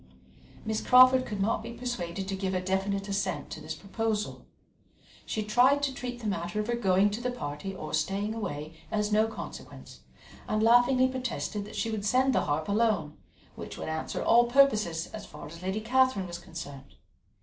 Miss Crawford could not be persuaded to give a definite assent to this proposal; she tried to treat the matter of her going to the party or staying away as no consequence, and laughingly protested that she would send the harp alone, which would answer all purposes as far as Lady Catherine was concerned.